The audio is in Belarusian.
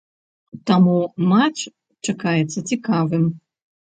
Таму матч чакаецца цікавым.